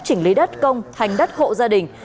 chỉnh lý đất công hành đất hộ gia đình